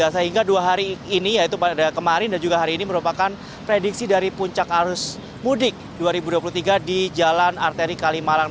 sehingga dua hari ini yaitu pada kemarin dan juga hari ini merupakan prediksi dari puncak arus mudik dua ribu dua puluh tiga di jalan arteri kalimalang